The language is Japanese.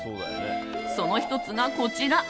その１つがこちら。